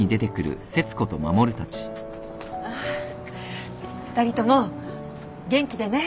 あっ２人とも元気でね。